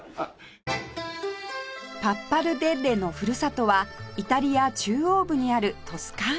パッパルデッレの故郷はイタリア中央部にあるトスカーナ州